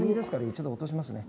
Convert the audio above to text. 一度落としますね。